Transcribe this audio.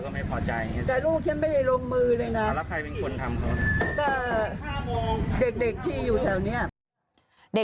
ครับครับ